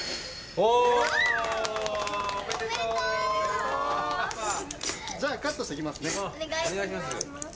お願いします。